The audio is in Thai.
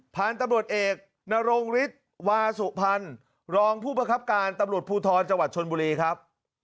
พันธุ์ตำรวจเอกนรงฤทธิ์วาสุพรรณรองผู้ประคับการตำรวจภูทรจังหวัดชนบุรีครับ